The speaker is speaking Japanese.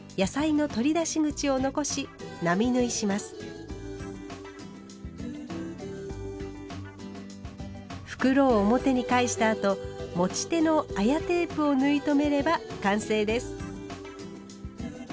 クロスの側面を袋を表に返したあと持ち手の綾テープを縫い留めれば完成です。